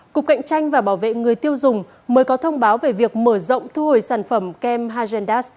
cục cạnh tranh và bảo vệ người tiêu dùng mới có thông báo về việc mở rộng thu hồi sản phẩm kem hazendas